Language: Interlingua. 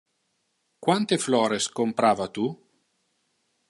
Quante flores comprava tu?